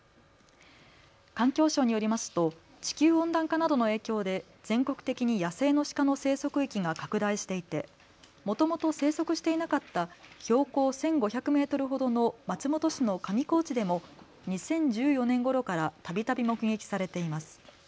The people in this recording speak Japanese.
環境省によりますと地球温暖化などの影響で全国的に野生のシカの生息域が拡大していて、もともと生息していなかった標高１５００メートルほどの松本市の上高地でも２０１４年ごろからたびたび目撃されています。